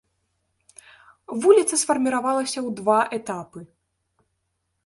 Вуліца сфарміравалася ў два этапы.